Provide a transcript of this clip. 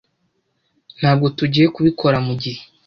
Ntabwo tugiye kubikora mugihe.